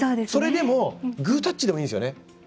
それでもグータッチでもいいんですね。